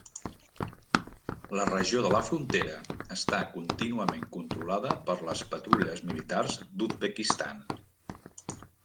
La regió de la frontera està contínuament controlada per les patrulles militars d'Uzbekistan.